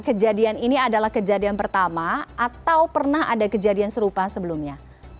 kejadian ini adalah kejadian pertama atau pernah ada kejadian serupa sebelumnya